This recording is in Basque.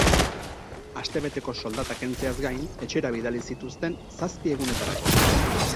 Astebeteko soldata kentzeaz gain, etxera bidali zituzten zazpi egunetarako.